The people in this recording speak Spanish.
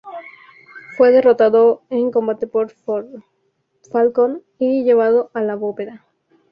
Fue derrotado en combate por Falcon, y llevado a la Bóveda.